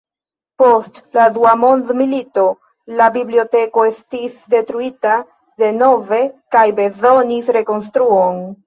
Post la Dua mondmilito, la biblioteko estis detruita denove kaj bezonis rekonstruon.